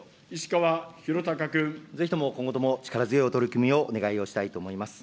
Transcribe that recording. ぜひとも今後とも、力強いお取り組みをお願いをしたいと思います。